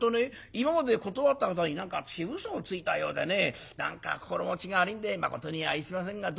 今まで断った方に何か私うそをついたようでね何か心持ちが悪いんでまことに相すいませんがどうぞご勘弁」。